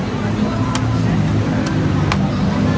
หนูมันถอยไม่ได้โอเคครับ